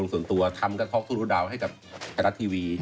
ส่วนตัว